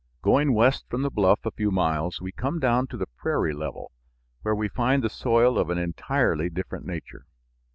Going west from the bluff a few miles we come down to the prairie level, where we find the soil of an entirely different nature.